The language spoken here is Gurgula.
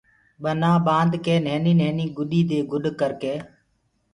ٻنآ ٻآندڪي نهيني نهيني گدي دي گُڏ ڪرڪي